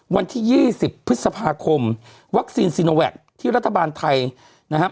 วันที่๒๐พฤษภาคมวัคซีนซีโนแวคที่รัฐบาลไทยนะครับ